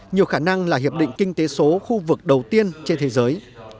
nhiều khả năng là hiệp định kinh tế số khu vực đầu tiên trên thế giới